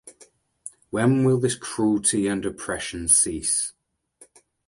When will this cruelty and oppression cease?